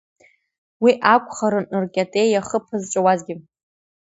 Уи акәхарын ркьатеиахы ԥызҵәауазгьы.